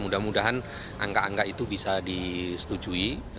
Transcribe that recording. mudah mudahan angka angka itu bisa disetujui